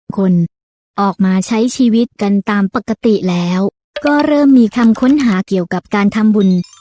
คนออกมาใช้ชีวิตกันตามปกติแล้วก็เริ่มมีคำค้นหาเกี่ยวกับการทำบุญ